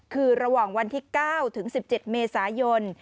คือระหว่างวันที่๙ถึง๑๗เมษายน